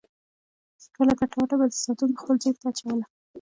ټوله ګټه وټه به ساتونکو خپل جېب ته اچوله.